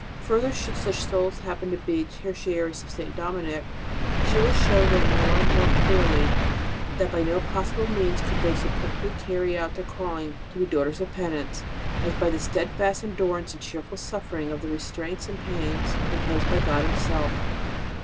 Further, should such souls happen to be Ter tiaries of St. Dominic, she will show them more and more clearly that by no possible means could they so perfectly carry out their calling to be daughters of penance, as by the steadfast endurance and cheerful offering of the restraints and pains imposed by God Himself.